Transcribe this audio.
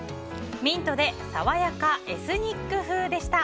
ミントで爽やかエスニック風！でした。